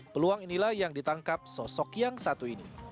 peluang inilah yang ditangkap sosok yang satu ini